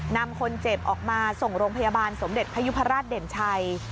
นำคนเจ็บออกมาส่งโรงพยาบาลสมเด็จพยุพราชเด่นชัย